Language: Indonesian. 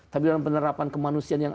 tapi dalam penerapan kemanusiaan yang